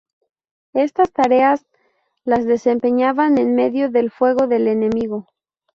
Estas tareas las desempeñaban en medio del fuego del enemigo.